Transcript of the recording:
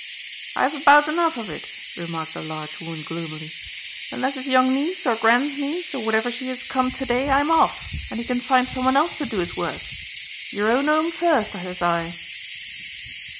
"I've had 'bout enough of it," remarked the large woman gloomily. "Unless his young niece, or grandniece, or whatever she is, come to day, I'm off, and he can find some one else to do his work. Your own 'ome first, says I."